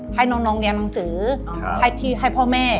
ให้น้องเรียนหนังสือให้ที่ให้พ่อแม่